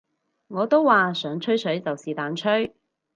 我都話想吹水就是但吹